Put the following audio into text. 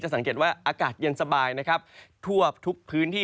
จะสังเกตว่าอากาศเย็นสบายทั่วทุกพื้นที่